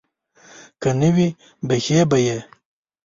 که نه وي بښي به یې.